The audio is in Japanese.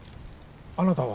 あなたは？